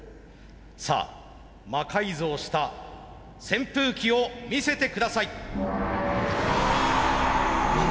さあ魔改造した扇風機を見せて下さい。